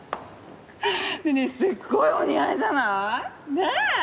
ねっすごいお似合いじゃない？ねぇ？